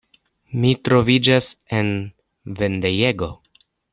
Mi troviĝas en vendejego.